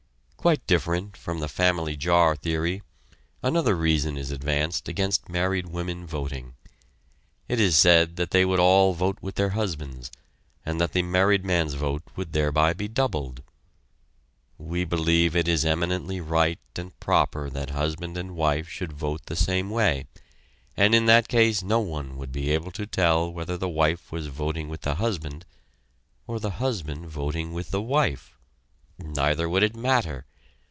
Quite different from the "family jar" theory, another reason is advanced against married women voting it is said that they would all vote with their husbands, and that the married man's vote would thereby be doubled. We believe it is eminently right and proper that husband and wife should vote the same way, and in that case no one would be able to tell whether the wife was voting with the husband or the husband voting with the wife. Neither would it matter.